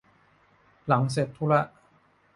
หลังเสร็จธุระ